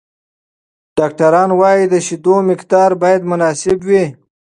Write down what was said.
ډاکټران وايي، د شیدو مقدار باید مناسب وي.